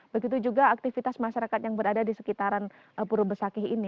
begitu juga aktivitas masyarakat yang berada di sekitaran pur besakih ini